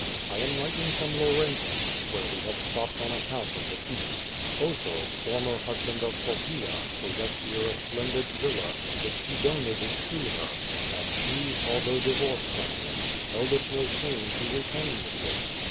I am writing from Laurentum, where we have stopped on account of the heat. Otho, for mer husband of Poppaea, possessed hero a splendid villa, which he donated to her, and she, although divorced from QVO VADIS. 281 him, held it no shame to retain the gift.